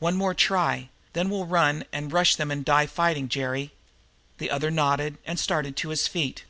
"One more try, then we'll turn and rush them and die fighting, Jerry." The other nodded and started to his feet.